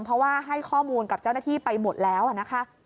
เพราะว่าให้ข้อมูลกับเจ้าหน้าที่ไปหมดแล้วนะคะ